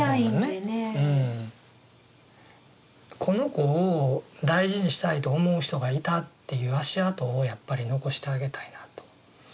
この子を大事にしたいと思う人がいたっていう足跡をやっぱり残してあげたいなと。